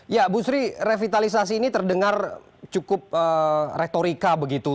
ya bu sri revitalisasi ini terdengar cukup retorika begitu